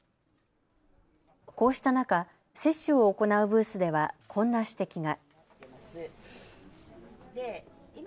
こうした中、接種を行うブースではこんな指摘が。